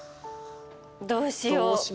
どうしよう。